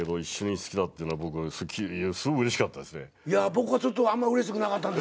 僕はちょっとあんまうれしくなかった。